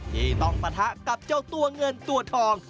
ที่ต้องปะทะกับเจ้าตัวเงินตัวทอง